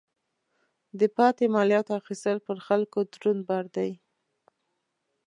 د پاتې مالیاتو اخیستل پر خلکو دروند بار دی.